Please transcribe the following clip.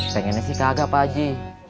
pengennya sih kagak pak haji